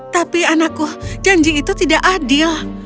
tapi anakku janji itu tidak adil